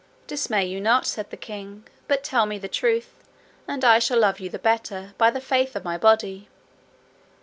Dismay you not, said the king, but tell me the truth, and I shall love you the better, by the faith of my body.